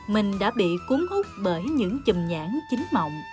mình đã bị cuốn úp bởi những chùm nhãn chín mọng